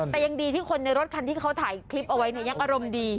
แต่ยังดีที่คนในรถคันที่เขาถ่ายคลิปเอาไว้เนี่ยยังอารมณ์ดี